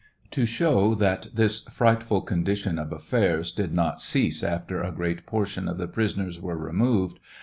To show that this frightful condition of affairs did not cease after a great por tion of the prisoners were removed.